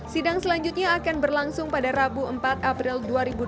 sidang selanjutnya akan berlangsung pada rabu empat april dua ribu dua puluh